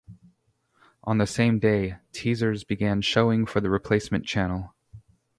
On the same day, teasers began showing for the replacement channel.